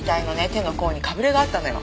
手の甲にかぶれがあったのよ。